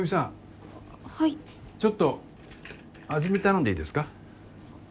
ちょっと味見頼んでいいですか？